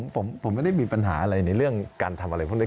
ผมไม่ได้มีปัญหาอะไรในเรื่องการทำอะไรพวกนี้